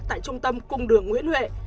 tại trung tâm cung đường nguyễn huệ